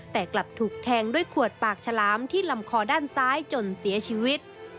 แต่กลับถูกแทงด้วยขวดปากฉลามที่ลำคอด้านซ้ายจนเสียชีวิต